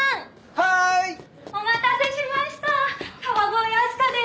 はーい！お待たせしました川越明日香です。